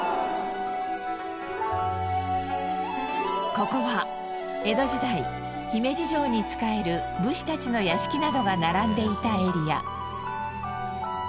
ここは江戸時代姫路城に仕える武士たちの屋敷などが並んでいたエリア。